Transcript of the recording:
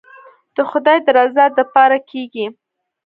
د خداى د رضا دپاره کېګي.